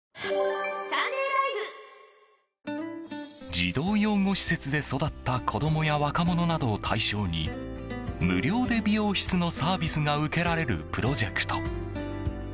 児童養護施設で育った子供や若者などを対象に無料で美容室のサービスが受けられるプロジェクト。